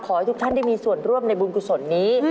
ขอให้ทุกท่านได้มีส่วนร่วมในบุญกุศลนี้